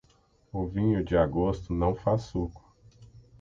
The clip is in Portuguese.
O vinho de agosto não faz suco.